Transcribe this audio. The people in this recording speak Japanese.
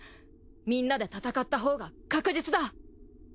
みんなで戦ったほうが確実だ。